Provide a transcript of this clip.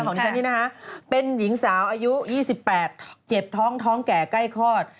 ของนี้เป็นหญิงสาวอายุ๒๘เก็บท้องท้องแก่ใกล้คลอด